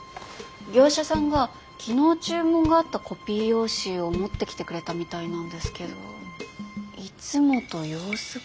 業者さんが昨日注文があったコピー用紙を持ってきてくれたみたいなんですけどいつもと様子が。